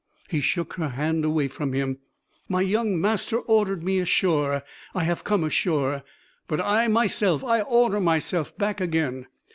He shook her hand away from him. "My young master ordered me ashore: I have come ashore. But I myself, I order myself back again.